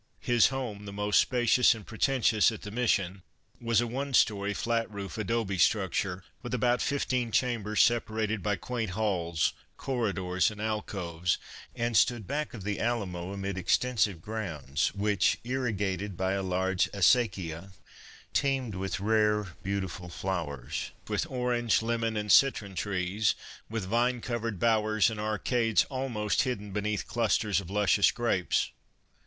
His home, the most spacious and preten tious at the Mission, was a one story, flat roof adobe structure, with about fifteen chambers separated by quaint halls, corridors and alcoves, and stood back of the Alamo amid extensive grounds, which, irrigated by a large acequia, teemed with rare, beauti ful flowers, with orange, lemon and citron trees, with vine covered bowers and arcades almost hidden beneath clusters of luscious grapes.